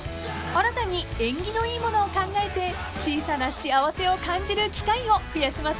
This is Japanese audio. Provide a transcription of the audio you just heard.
［新たに縁起のいいものを考えて小さな幸せを感じる機会を増やしませんか？］